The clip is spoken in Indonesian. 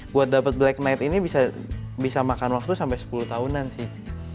buat dapat black night ini bisa makan waktu sampai sepuluh tahunan sih